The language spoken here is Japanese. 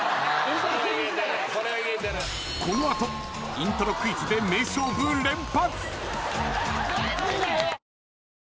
［イントロクイズで名勝負連発］